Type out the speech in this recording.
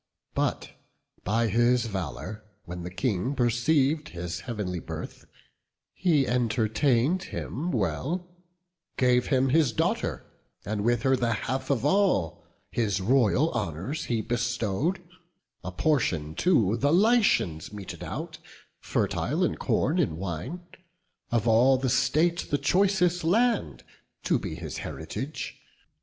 But, by his valour when the King perceiv'd His heav'nly birth, he entertain'd him well; Gave him his daughter; and with her the half Of all his royal honours he bestow'd: A portion too the Lycians meted out, Fertile in corn and wine, of all the state The choicest land, to be his heritage.